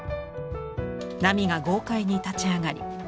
波が豪快に立ち上がり